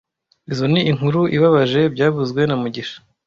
Izoi ni inkuru ibabaje byavuzwe na mugisha